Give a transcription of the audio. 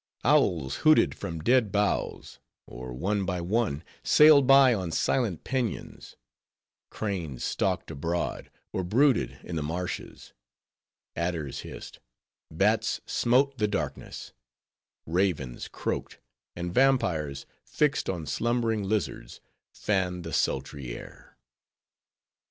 Owls hooted from dead boughs; or, one by one, sailed by on silent pinions; cranes stalked abroad, or brooded, in the marshes; adders hissed; bats smote the darkness; ravens croaked; and vampires, fixed on slumbering lizards, fanned the sultry air.